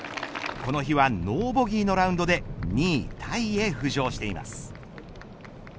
この日はノーボギーのラウンドで２位タイへ浮上しています。